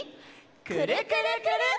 「くるくるくるっ」！